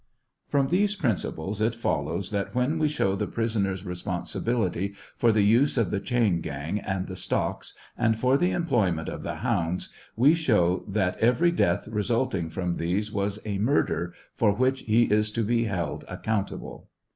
From these principles, it follows that when we show the prisoner's responsi bility for the use of the chain gang and the stocks, and for the employment of the hounds, we show that every death resulting from these was a murder for which he is to be held accountable.